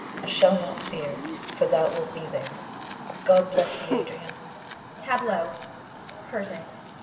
I shall not fear, for thou wilt be there. God bless thee, Adrian. [Tableau. CURTAIN.